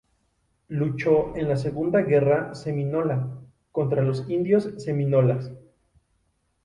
Luchó en la Segunda Guerra Seminola, contra los indios Seminolas.